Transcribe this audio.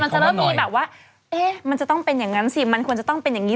จะเริ่มมีแบบว่าเอ๊ะมันจะต้องเป็นอย่างนั้นสิมันควรจะต้องเป็นอย่างนี้